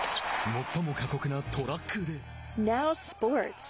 最も過酷なトラックレース。